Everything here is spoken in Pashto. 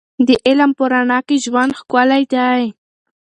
د علم په رڼا کې ژوند ښکلی دی.